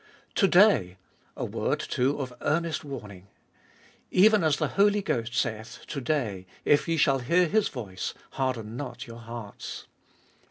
To day ! a word, too, of earnest warning. Even as the Holy Ghost saith, To day, if ye shall hear His voice, harden not your hearts.